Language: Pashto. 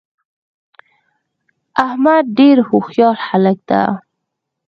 احمدډیرهوښیارهلک ده